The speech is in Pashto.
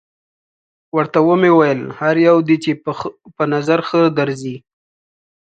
ورته ومې ویل: هر یو چې دې په نظر ښه درځي.